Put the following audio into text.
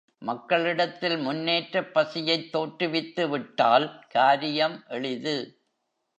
மக்களிடத்தில் முன்னேற்றப் பசியைத் தோற்றுவித்துவிட்டால் காரியம் எளிது.